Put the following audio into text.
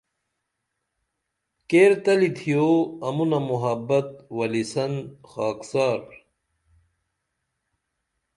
کیر تلی تھیو امونہ محبت ولیسن خاکسار